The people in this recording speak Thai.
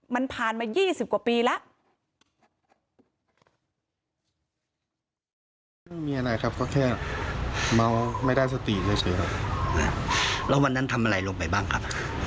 มันผ่านมา๒๐กว่าปีแล้ว